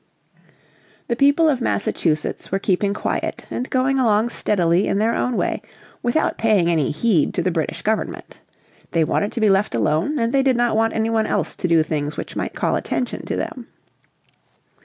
The people of Massachusetts were keeping quiet and going along steadily in their own way, without paying any heed to the British Government. They wanted to be left alone, and they did not want any one else to do things which might call attention to them.